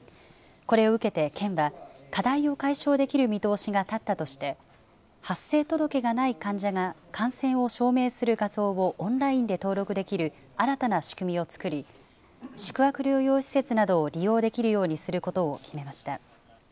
これを受けて県は、課題を解消できる見通しが立ったとして、発生届がない患者が感染を証明する画像をオンラインで登録できる新たな仕組みを作り、宿泊療養施設などを利用できるようにすることを決めました。